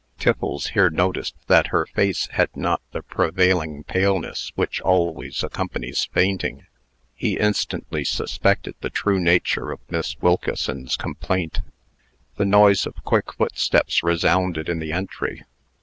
Tiffles here noticed that her face had not the prevailing paleness which always accompanies fainting. He instantly suspected the true nature of Miss Wilkeson's complaint. The noise of quick footsteps resounded in the entry.